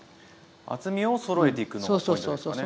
厚みをそろえていくのがポイントですよね。